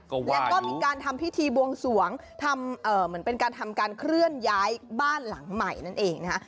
แล้วก็มีการทำพิธีบวงสวงทำเหมือนเป็นการทำการเคลื่อนย้ายบ้านหลังใหม่นั่นเองนะฮะ